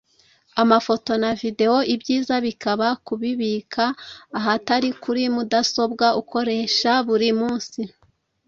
amafoto na video; ibyiza bikaba kubibika ahatari kuri mudasobwa ukoresha buri munsi